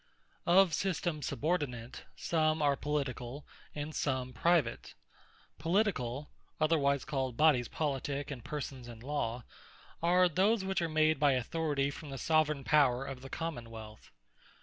Of Systemes subordinate, some are Politicall, and some Private. Politicall (otherwise Called Bodies Politique, and Persons In Law,) are those, which are made by authority from the Soveraign Power of the Common wealth.